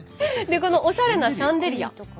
このおしゃれなシャンデリア。